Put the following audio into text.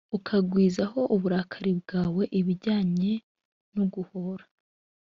ukangwizaho uburakari bwawe ibyanjye ni uguhora